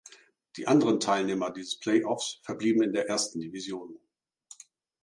Die anderen Teilnehmer dieses Play-offs verblieben in der Ersten Division.